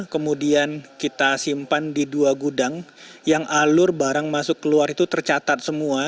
kemudian kita simpan di dua gudang yang alur barang masuk keluar itu tercatat semua